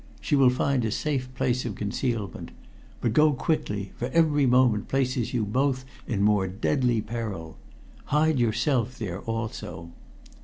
She will find a safe place of concealment. But go quickly, for every moment places you both in more deadly peril. Hide yourself there also."